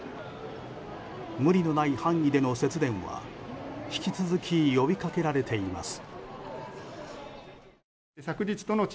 無理のない範囲での節電は引き続き呼びかけられています。